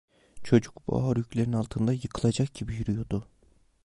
Çocuk bu ağır yüklerin altında yıkılacak gibi yürüyordu.